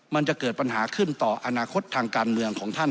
มันจะเกิดปัญหาขึ้นต่ออนาคตทางการเมืองของท่าน